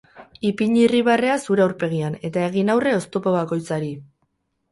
Ipini irribarrea zure aurpegian, eta egin aurre oztopo bakoitzari.